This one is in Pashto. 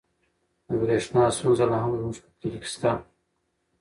د برښنا ستونزه لا هم زموږ په کلي کې شته.